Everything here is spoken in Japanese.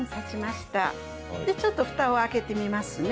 じゃあ、ちょっとふたを開けてみますね。